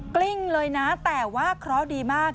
กลิ้งเลยนะแต่ว่าเคราะห์ดีมาก